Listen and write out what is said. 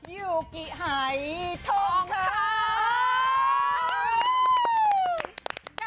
ยูกิไฮทองคำ